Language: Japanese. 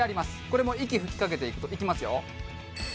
これも息吹きかけていくといきますよ